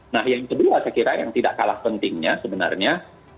nah yang kedua saya kira yang tidak kalah pentingnya sebenarnya